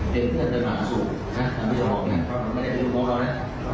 ใช่หรือไม่เป็นลูกน้องหรือเกี่ยวกับพวกแดกในกลางโทรศัพท์